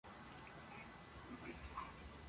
Se encuentran justo al norte de Karaurín-tepui.